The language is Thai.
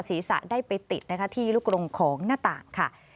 ศีรษะได้ไปติดนะคะที่ลูกโรงของหน้าต่างค่ะ